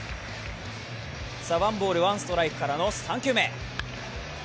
ワンボール・ワンストライクからの３球目。